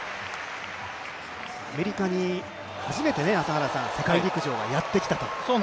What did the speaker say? アメリカに初めて世界陸上がやってきたと。